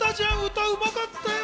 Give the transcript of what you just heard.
歌うまかったよ。